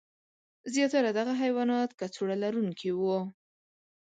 زیاتره دغه حیوانات کڅوړه لرونکي وو.